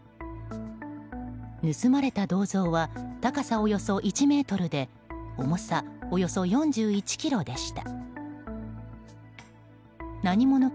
盗まれた銅像は高さおよそ１ｍで重さおよそ４１ｋｇでした。